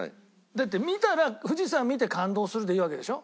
だって見たら富士山見て感動するでいいわけでしょ？